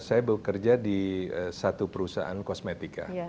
saya bekerja di satu perusahaan kosmetika